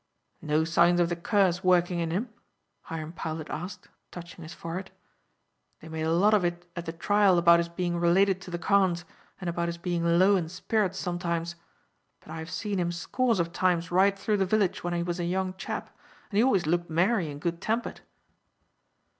"No signs of the curse working in him?" Hiram Powlett asked, touching his forehead. "They made a lot of it at the trial about his being related to the Carnes, and about his being low in spirits sometimes; but I have seen him scores of times ride through the village when he was a young chap, and he always looked merry and good tempered."